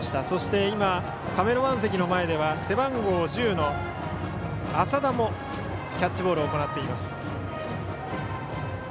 そして今、カメラマン席の前では背番号１０の浅田もキャッチボールを行っています。